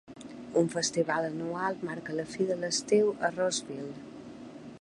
Un festival anual marca la fi de l'estiu a Rossville.